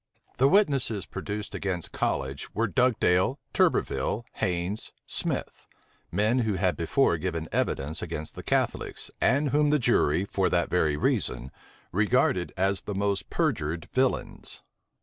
The witnesses produced against College were Dugdale, Turberville, Haynes, Smith; men who had before given evidence against the Catholics, and whom the jury, for that very reason, regarded as the most perjured villains.